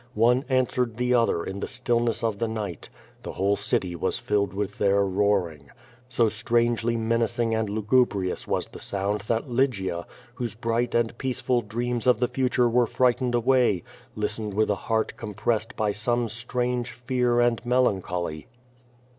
One answered the other in the stillness of the night. The whole city was tilled with ^ their roaring. So strangely menacing and lugubrious was the so'jud that Lygia, whose bright and i^eaceful dreams of the future were frightened away, listened with a heart com pressed by some strange fear and melancholy.